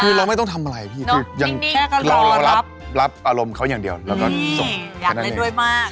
คือเราไม่ต้องทำอะไรพี่คือยังแค่เรารับอารมณ์เขาอย่างเดียวแล้วก็ส่งอยากเล่นด้วยมาก